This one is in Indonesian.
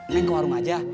naik ke warung aja